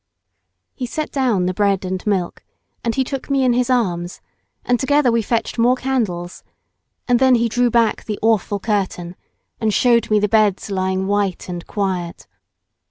He set down the bread and milk, and be took me in his arms and together we fetched more candles, and then he drew back the awful curtain, and showed me the beds lying white and quiet.